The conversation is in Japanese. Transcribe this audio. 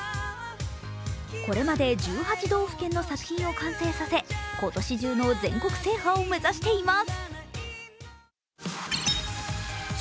これまで１８道府県の作品を完成させ今年中の全国制覇を目指しています。